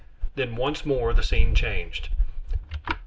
Then once more the scene changed.